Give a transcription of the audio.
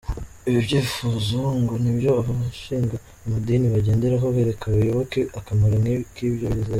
Ibi byifuzo ngo nibyo abashinga amadini bagenderaho bereka abayoboke akamaro k’ibyo bizera.